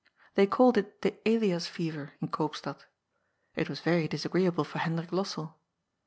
They called it the ^' Elias fever" in Koopstad. It was very disagreeable for Hendrik Lossell.